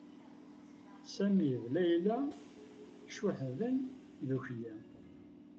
Sami d Layla cuhden ddukkli.